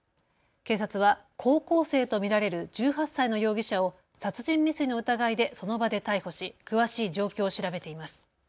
警察は高校生と見られる１８歳の容疑者を殺人未遂の疑いでその場で逮捕し詳しい状況を調べています。